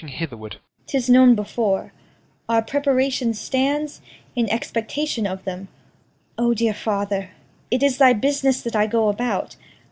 'Tis known before. Our preparation stands In expectation of them. O dear father, It is thy business that I go about.